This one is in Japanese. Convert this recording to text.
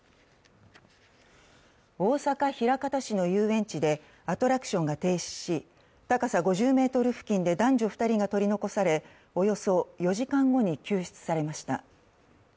大阪・枚方市の遊園地でアトラクションが停止し、高さ５０ｍ付近で男女２人が取り残されおよそ４時間後に救出されました。